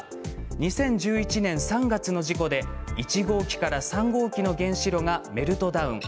２０１１年３月の事故で１号機から３号機の原子炉がメルトダウン。